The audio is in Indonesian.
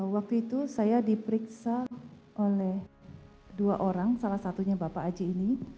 waktu itu saya diperiksa oleh dua orang salah satunya bapak aji ini